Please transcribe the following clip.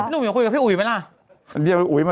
หนุ่มยังคุยกับพี่อุ๋ยไหมล่ะ